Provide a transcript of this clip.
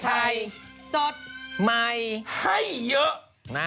ข่าวใส่ไข่สดใหม่ให้เยอะ